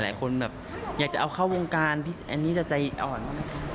หลายคนแบบอยากจะเอาเข้าวงการอันนี้จะใจอ่อนไหม